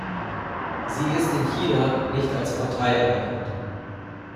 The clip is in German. Sie ist in China nicht als Partei anerkannt.